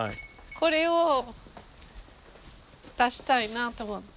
これを出したいなと思って。